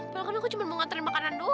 kalau kan aku cuma mau ngaterin makanan doang